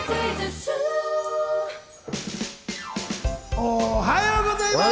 おはようございます。